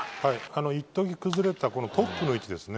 一時、崩れたトップの位置ですね。